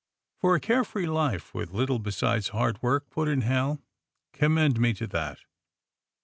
''For a care free life, with little besides hard work," put in Hal, '^ commend me to that."